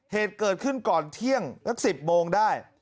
เหตุเกิดขึ้นก่อนเที่ยงสัก๑๐โมงได้